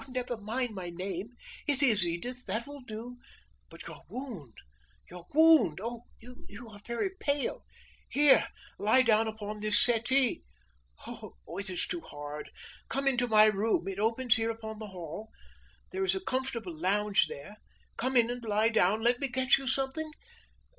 "Never mind my name it is Edith that will do; but your wound your wound oh! you are very pale here! lie down upon this settee. Oh, it is too hard! come into my room, it opens here upon the hall there is a comfortable lounge there come in and lie down let me get you something?"